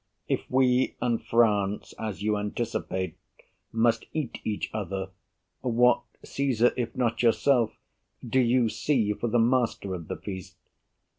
If we and France, as you anticipate, Must eat each other, what Caesar, if not yourself, Do you see for the master of the feast?